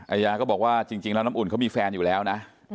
อายาก็บอกว่าจริงแล้วน้ำอุ่นเขามีแฟนอยู่แล้วนะ